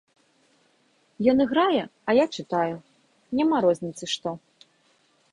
Ён іграе, а я чытаю, няма розніцы што.